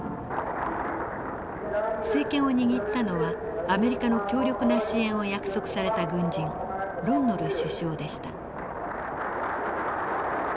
政権を握ったのはアメリカの強力な支援を約束された軍人ロン・ノル首相でした。